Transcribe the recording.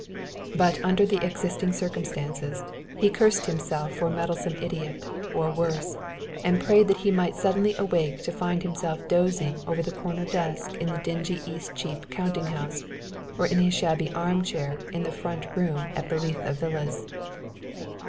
But under the existing circumstances he cursed himself for a meddlesome idiot, or worse, and prayed that he might suddenly awake to find himself dozing over the corner desk in the dingy Eastcheap counting house or in his shabby arm chair in the front room at Belitha Villas.